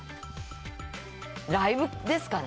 ライブですかね。